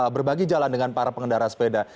berbagi jalan dengan para pengendara sepeda